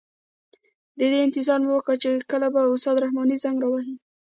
د دې انتظار مې وه چې کله به استاد رحماني زنګ را وهي.